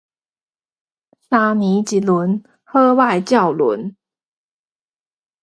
三年一閏，好歹照輪